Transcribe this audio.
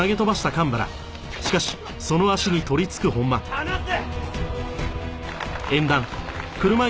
離せ！